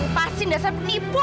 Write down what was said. lepasin da saya penipu